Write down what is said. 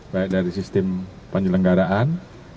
baik dari sistem penyelenggaraan